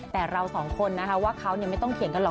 แต่เราสองคนนะคะว่าเขาไม่ต้องเถียงกันหรอ